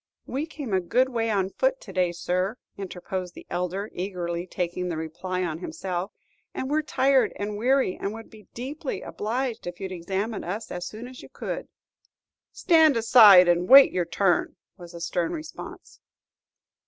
"We came a good way on foot to day, sir," interposed the elder, eagerly, taking the reply on himself, "and we 're tired and weary, and would be deeply obliged if you'd examine us as soon as you could." "Stand aside and wait your turn," was the stern response.